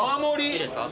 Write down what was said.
いいですか？